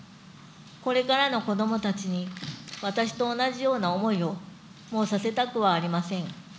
これからの子どもたちに私と同じような思いを、もうさせたくはありません。